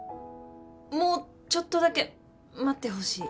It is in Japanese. もうちょっとだけ待ってほしい。